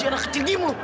ih anak kecil gim lo